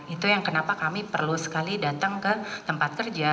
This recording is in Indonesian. itu yang kenapa kami perlu sekali datang ke tempat kerja